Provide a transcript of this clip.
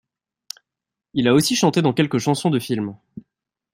Il a aussi chanté dans quelques chansons de film.